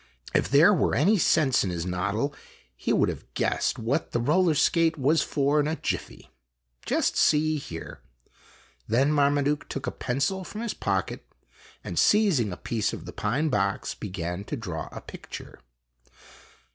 If there were any sense in his noddle, he THE TONGALOO TOURNAMENT 21 would have guessed what the roller skate was for in a jiffy. Just see here." Then Marmaduke took a pencil from his pocket, and seizing a piece of the pine box, began to draw a picture.